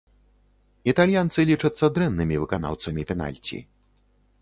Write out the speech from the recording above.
Італьянцы лічацца дрэннымі выканаўцамі пенальці.